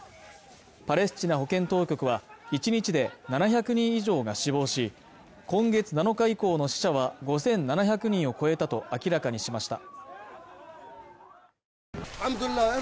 パレスチナ保健当局は１日で７００人以上が死亡し今月７日以降の死者は５７００人を超えたと明らかにしました